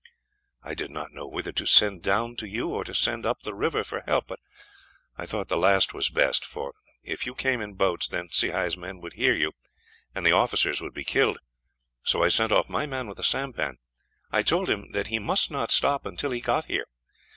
"I did not know whether to send down to you, or to send up the river for help; but I thought the last was best, for if you came in boats, then Sehi's men would hear you, and the officers would be killed; so I sent off my man with the sampan. I told him that he must not stop until he got here.